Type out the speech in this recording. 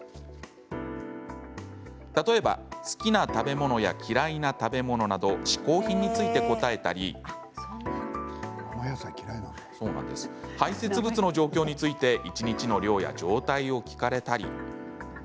例えば好きな食べ物や嫌いな食べ物などしこう品について答えたり排せつ物の状況について一日の量や状態を聞かれたり。